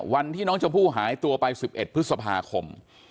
วันที่น้องชมพู่หายตัวไป๑๑พฤษภาคม